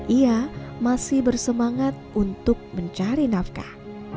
ia masih bersemangat untuk mencari nafkah